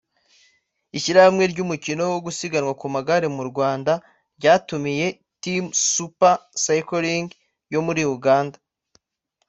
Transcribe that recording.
ishyirahamwe ry’umukino wo gusiganwa ku magare mu Rwanda ryatumiye Team Super Cycling yo muri Uganda